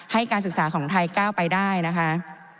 ให้การศึกษาของไทยก้าวไปได้นะคะ